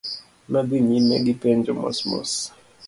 Nodhi nyime gipenjo mos mos.